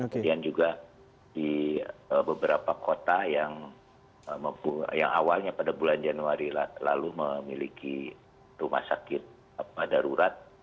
kemudian juga di beberapa kota yang awalnya pada bulan januari lalu memiliki rumah sakit darurat